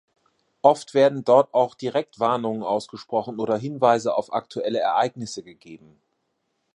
Oft werden dort auch direkt Warnungen ausgesprochen oder Hinweise auf aktuelle Ereignisse gegeben.